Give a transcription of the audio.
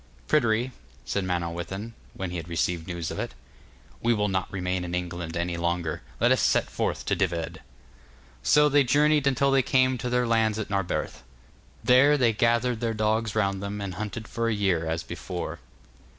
'Pryderi,' said Manawyddan, when he had received news of it, 'we will not remain in England any longer. Let us set forth to Dyved.' So they journeyed until they came to their lands at Narberth. There they gathered their dogs round them, and hunted for a year as before.